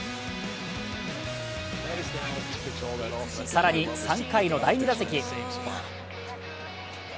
更に３回の第２打席。